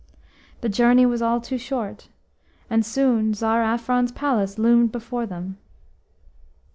The journey was all too short, and soon Tsar Afron's palace loomed before them.